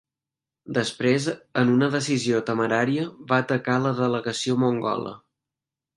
Després en una decisió temerària va atacar a la delegació mongola.